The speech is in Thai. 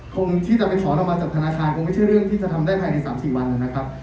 คนที่จะไปถอนออกมาจากธนาคารคงไม่ใช่เรื่องที่จะทำได้ภายใน๓๔วันนะครับ